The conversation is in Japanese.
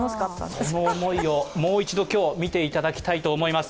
その思いをもう一度今日、見ていただきたいと思います。